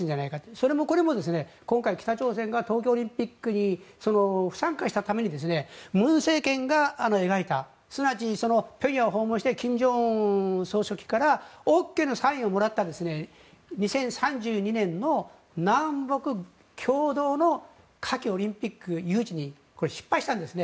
それもこれも今回、北朝鮮が東京オリンピックに不参加したために文政権が描いたすなわち、平壌訪問して金正恩総書記からＯＫのサインをもらった２０３２年の南北共同の夏季オリンピック誘致にこれ、失敗したんですね。